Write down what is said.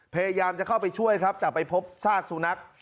พยายามจะเข้าไปช่วยครับแต่ไปพบซากสุนัข